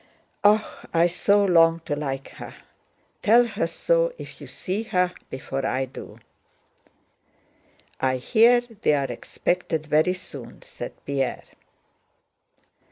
"Ah, I so long to like her! Tell her so if you see her before I do." "I hear they are expected very soon," said Pierre.